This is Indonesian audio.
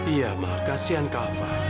iya ma kasian kava